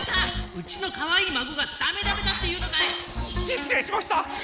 うちのかわいいまごがダメダメだっていうのかい⁉しつれいしました！